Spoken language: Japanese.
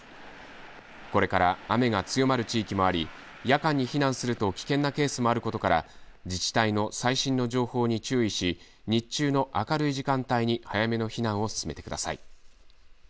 これから雨が強まる地域もあり、夜間に避難すると危険なケースもあることから自治体の最新の情報に注意し日中の明るい時間帯に早めの避難を進めてください。